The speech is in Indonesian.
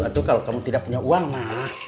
itu kalau kamu tidak punya uang mah